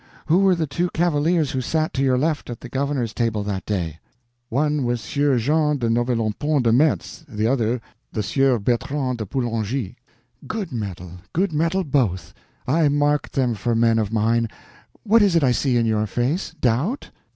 Who were the two cavaliers who sat to your left at the governor's table that day?" "One was the Sieur Jean de Novelonpont de Metz, the other the Sieur Bertrand de Poulengy." "Good metal—good metal, both. I marked them for men of mine.... What is it I see in your face? Doubt?"